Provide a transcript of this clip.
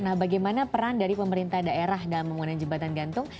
nah bagaimana peran dari pemerintah daerah dalam pembangunan jembatan gantung